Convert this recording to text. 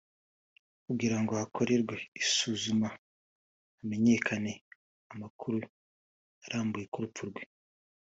kugira ngo ukorerwe isuzuma hamenyekane amakuru arambuye ku rupfu rwe